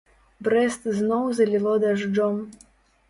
Брэст зноў заліло дажджом.